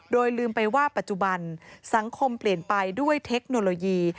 โดยลืมไปว่าปัจจุบันสังคมเปลี่ยนไปด้วยเทคโนโลยี